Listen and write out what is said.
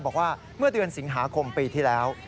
บอกว่าเมื่อเดือนสิงหาคมปีที่แล้ว